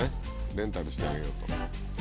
レンタルしてあげようと。